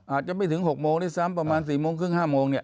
อาจจะไปถึง๖โมงได้ซ้ำประมาณ๔๓๐๕๐๐โมง